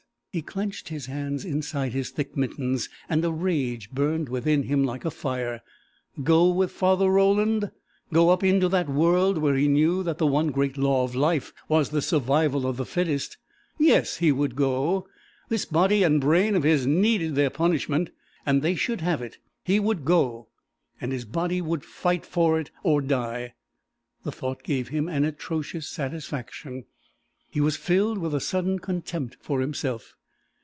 He clenched his hands inside his thick mittens, and a rage burned within him like a fire. Go with Father Roland? Go up into that world where he knew that the one great law of life was the survival of the fittest? Yes, he would go! This body and brain of his needed their punishment and they should have it! He would go. And his body would fight for it, or die. The thought gave him an atrocious satisfaction. He was filled with a sudden contempt for himself.